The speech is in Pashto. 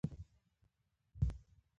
سوغاتونو په برابرولو مرسته کوله.